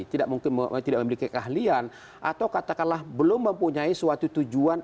tidak memiliki keahlian atau katakanlah belum mempunyai suatu tujuan